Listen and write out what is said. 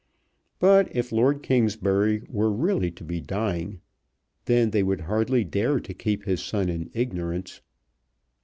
But if Lord Kingsbury were really to be dying, then they would hardly dare to keep his son in ignorance.